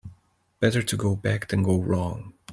Better to go back than go wrong.